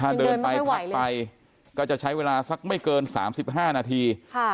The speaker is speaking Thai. ถ้าเดินไปพักไปก็จะใช้เวลาสักไม่เกิน๓๕นาที